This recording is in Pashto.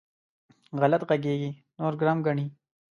غلط غږېږي؛ نور ګرم ګڼي.